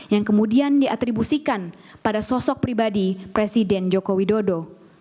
yang kemudian diatribusikan pada sosok pribadi presiden joko widodo